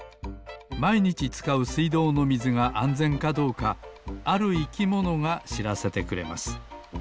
まいにちつかうすいどうのみずがあんぜんかどうかあるいきものがしらせてくれます。